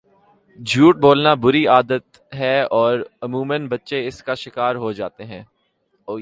جھوٹ بولنا بُری عادت ہے اور عموماً بچے اس کا شکار ہوجاتے ہیں